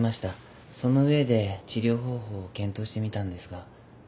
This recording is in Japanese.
その上で治療方法を検討してみたんですが。